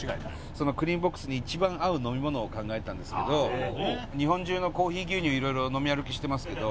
そのクリームボックスに一番合う飲み物を考えたんですけど日本中のコーヒー牛乳いろいろ飲み歩きしてますけど。